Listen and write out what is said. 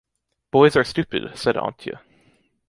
Boys are stupid, said Antje.